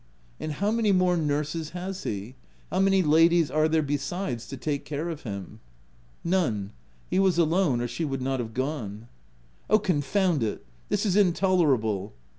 " And how many more nurses has he? — how many ladies are there besides, to take care of him V " None : he was alone, or she would not have gone/' H Oh, confound it ! this is intolerable